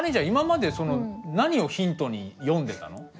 今まで何をヒントに読んでたの？